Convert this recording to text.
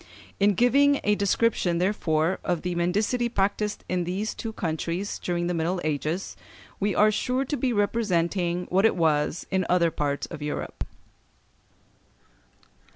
In giving a description, therefore, of the mendicity practised in these two countries during the Middle Ages, we are sure to be representing what it was in other parts of Europe.